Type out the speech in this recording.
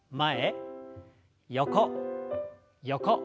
横横。